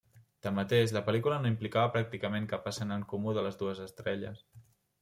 Tanmateix, la pel·lícula no implicava pràcticament cap escena en comú de les dues estrelles.